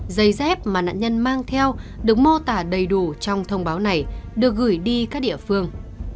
giày dép mà nạn nhân mang theo được mô tả đầy đủ trong thông báo này được gửi đi các địa phương